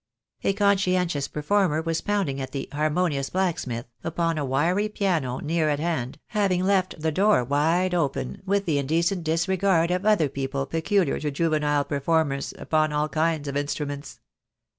A conscientious performer was pounding at the "Harmonious Blacksmith" upon a wiry piano near at hand, having left the door wide open, with the indecent disregard of other people peculiar to juvenile performers upon all kinds of instruments.